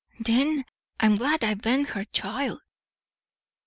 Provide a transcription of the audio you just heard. "Then I'm glad I ben't her child."